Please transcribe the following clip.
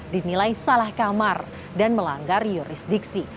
dinilai salah kamar dan melanggar jurisdiksi